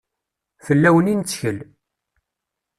Fell-awen i nettkel.